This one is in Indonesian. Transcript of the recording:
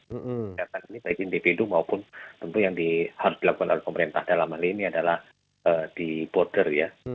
kegiatan ini baik individu maupun tentu yang harus dilakukan oleh pemerintah dalam hal ini adalah di border ya